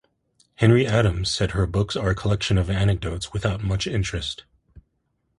Henry Adams said her books are a collection of anecdotes without much interest.